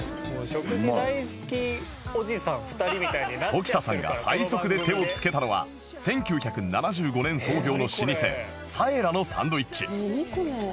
常田さんが最速で手をつけたのは１９７５年創業の老舗さえらのサンドイッチ